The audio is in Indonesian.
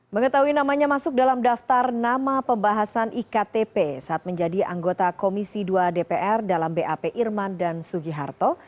mengetahui namanya masuk dalam daftar nama pembahasan iktp saat menjadi anggota komisi dua dpr dalam bap irman dan sugiharto